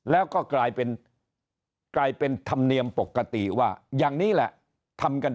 แล้วก็กลายเป็นกลายเป็นธรรมเนียมปกติว่าอย่างนี้แหละทำกัน